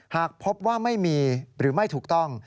หากพบว่าไม่มีหรือไม่ถูกต้อง